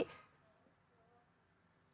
peran indonesia sebagai negara negara